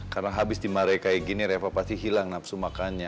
karena habis dimarahi kayak gini reva pasti hilang nafsu makannya